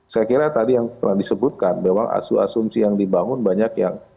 saya kira tadi yang pernah disebutkan memang asum asumsi yang dibangun banyak yang